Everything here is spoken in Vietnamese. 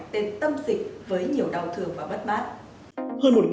tên tâm dịch với nhiều đau thương và bất bát